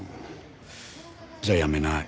じゃあ辞めない。